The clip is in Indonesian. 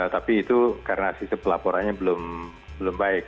tapi itu karena sistem pelaporannya belum baik